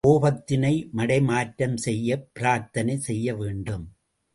கோபத்தினை மடைமாற்றம் செய்யப் பிரார்த்தனை செய்ய வேண்டும்.